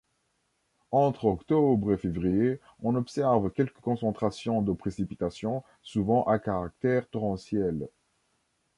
Entre octobre et février, on observe quelques concentrations de précipitations, souvent à caractère torrentiel.